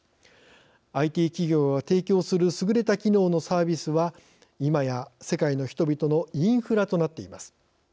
ＩＴ企業が提供する優れた機能のサービスはいまや世界の人々のインフラとなっています。